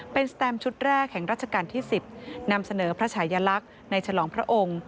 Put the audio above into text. เป็นสแตมชุดแรกแห่งราชการที่๑๐นำเสนอพระชายลักษณ์ในฉลองพระองค์